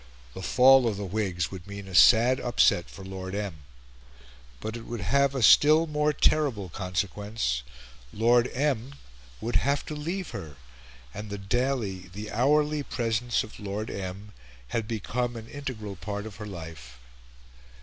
The fall of the Whigs would mean a sad upset for Lord M. But it would have a still more terrible consequence: Lord M. would have to leave her; and the daily, the hourly, presence of Lord M. had become an integral part of her life.